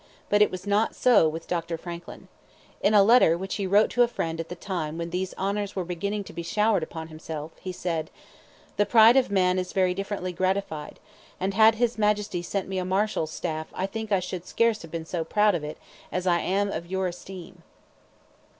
But it was not so with Dr. Franklin. In a letter which he wrote to a friend at the time when these honors were beginning to be showered upon him, he said: "The pride of man is very differently gratified; and had his Majesty sent me a marshal's staff I think I should scarce have been so proud of it as I am of your esteem."